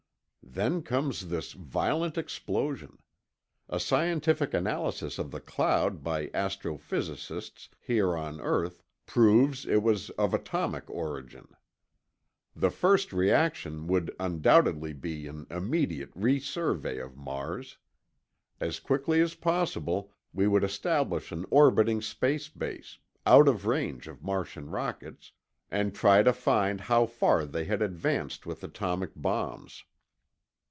Then comes this violent explosion. A scientific analysis of the cloud by astrophysicists here on earth proves it was of atomic origin. The first reaction would undoubtedly be an immediate resurvey of Mars. As quickly as possible, we would establish an orbiting space base—out of range of Martian rockets—and try to find how far they had advanced with atomic bombs.